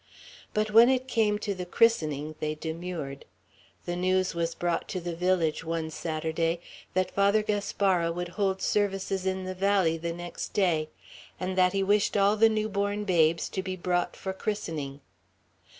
But when it came to the christening, they demurred. The news was brought to the village, one Saturday, that Father Gaspara would hold services in the valley the next day, and that he wished all the new born babes to be brought for christening.